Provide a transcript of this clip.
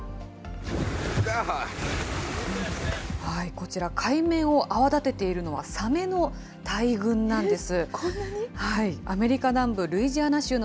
こちら、海面を泡立てているのは、サメの大群なんです。